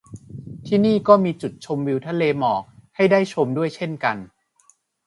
ที่นี่ก็มีจุดชมวิวทะเลหมอกให้ได้ชมด้วยเช่นกัน